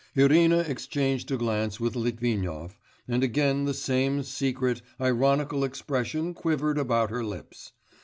Irina exchanged a glance with Litvinov, and again the same secret, ironical expression quivered about her lips....